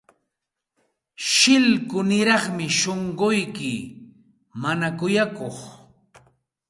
Shillkuniraqmi shunquyki, mana kuyakuq.